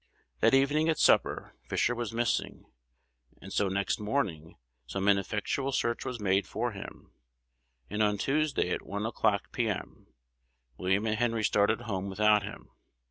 That evening at supper Fisher was missing, and so next morning some ineffectual search was made for him; and on Tuesday, at 1 o'clock, p.m., William and Henry started home without him.